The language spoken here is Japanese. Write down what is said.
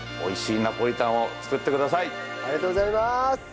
ありがとうございます。